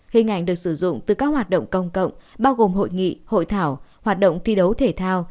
hình ảnh được sử dụng từ các hoạt động công cộng bao gồm hội nghị hội thảo hoạt động thi đấu thể thao